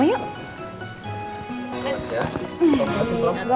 kesini engga ya